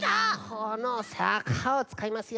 このさかをつかいますよ！